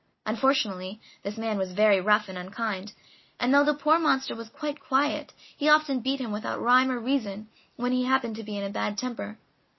Unfortunately, this man was very rough and unkind, and though the poor monster was quite quiet, he often beat him without rhyme or reason when he happened to be in a bad temper.